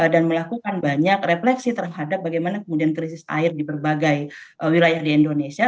dan melakukan banyak refleksi terhadap bagaimana kemudian krisis air di berbagai wilayah di indonesia